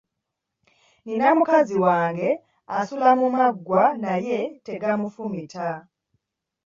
Nina mukazi wange asula mu maggwa naye tegamufumita.